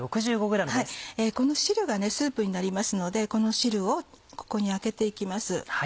この汁がスープになりますのでこの汁をここにあけて行きます。